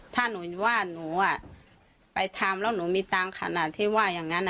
ถ้านูว่านูอ่ะเอาไปทำแล้วลูมีทันขณะที่ว่าอย่างงั้นนะ